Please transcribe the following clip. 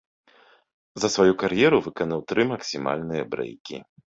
За сваю кар'еру выканаў тры максімальныя брэйкі.